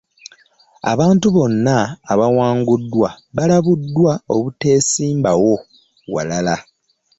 Abantu bonna abaawanguddwa balabuddwa obuteesimbawo walala.